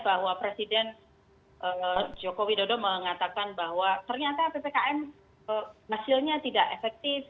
bahwa presiden joko widodo mengatakan bahwa ternyata ppkm hasilnya tidak efektif